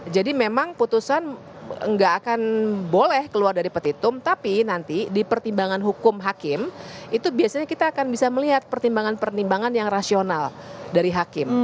jadi memang putusan gak akan boleh keluar dari petitum tapi nanti di pertimbangan hukum hakim itu biasanya kita akan bisa melihat pertimbangan pertimbangan yang rasional dari hakim